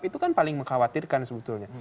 itu kan paling mengkhawatirkan sebetulnya